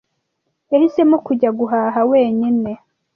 Yahisemo kujya guhaha wenyine.